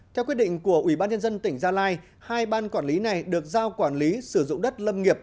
theo quyết định của ubnd tỉnh gia lai hai ban quản lý này được giao quản lý sử dụng đất lâm nghiệp